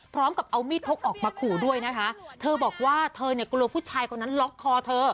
พร้อมกับเอามีดพกออกมาขู่ด้วยนะคะเธอบอกว่าเธอเนี่ยกลัวผู้ชายคนนั้นล็อกคอเธอ